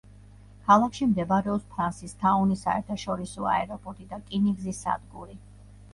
ქალაქში მდებარეობს ფრანსისთაუნის საერთაშორისო აეროპორტი და რკინიგზის სადგური.